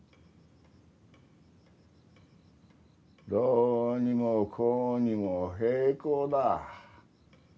どうにもこうにも閉口だ。